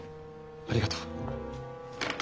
ありがとう。